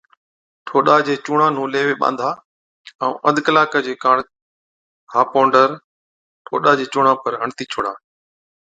ٺوڏا چي چُونڻان نُون ليوَي ٻانڌا ائُون آڌي ڪلاڪا چي ڪاڻ ها پونڊر ٺوڏا چي چُونڻان پر هڻتِي ڇوڙا۔